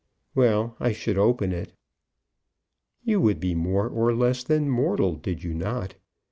"Well, I should open it." "You would be more or less than mortal did you not?